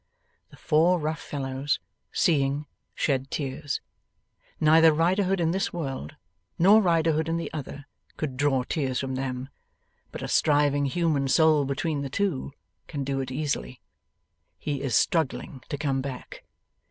The four rough fellows, seeing, shed tears. Neither Riderhood in this world, nor Riderhood in the other, could draw tears from them; but a striving human soul between the two can do it easily. He is struggling to come back.